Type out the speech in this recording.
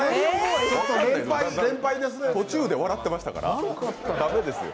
途中で笑ってましたからだめですよ。